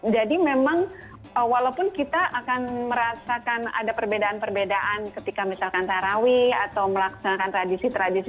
jadi memang walaupun kita akan merasakan ada perbedaan perbedaan ketika misalkan taraweh atau melaksanakan tradisi tradisi